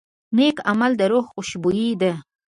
نیک عمل د روح خوشبويي ده.